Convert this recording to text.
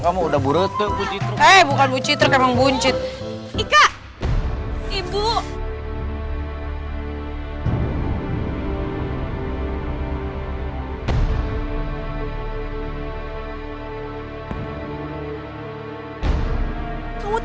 kamu udah bu retuk bu citruk